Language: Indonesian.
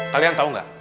kalian tau gak